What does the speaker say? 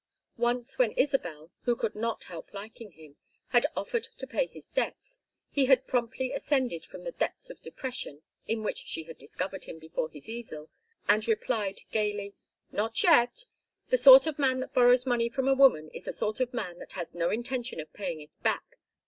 Once when Isabel, who could not help liking him, had offered to pay his debts, he had promptly ascended from the depths of depression in which she had discovered him before his easel, and replied, gayly: "Not yet! The sort of man that borrows money from a woman is the sort of man that has no intention of paying it back.